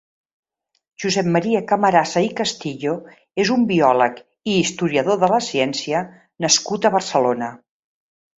Josep Maria Camarasa i Castillo és un biòleg i historiador de la ciència nascut a Barcelona.